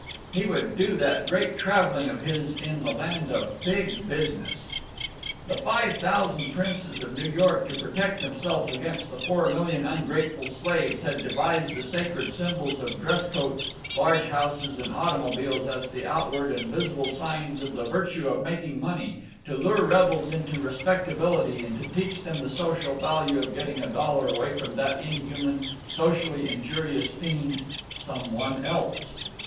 _ He would do that Great Traveling of his in the land of Big Business! The five thousand princes of New York to protect themselves against the four million ungrateful slaves had devised the sacred symbols of dress coats, large houses, and automobiles as the outward and visible signs of the virtue of making money, to lure rebels into respectability and teach them the social value of getting a dollar away from that inhuman, socially injurious fiend, Some One Else.